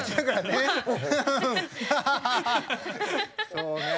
そうね。